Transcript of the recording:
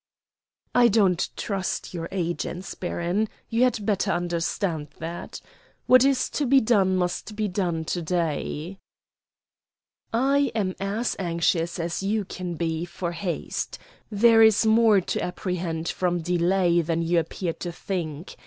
"I don't trust your agents, baron; you had better understand that. What is to be done must be done to day." "I am as anxious as you can be for haste. There is more to apprehend from delay than you appear to think.